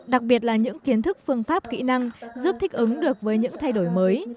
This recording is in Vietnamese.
đặc biệt là những kiến thức phương pháp kỹ năng giúp thích ứng được với những thay đổi mới